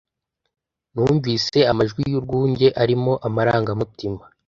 Numvise amajwi y'urwunge arimo amarangamutima